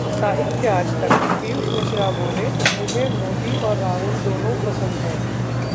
साहित्य आजतक: पीयूष मिश्रा बोले, मुझे मोदी और राहुल दोनों पसंद हैं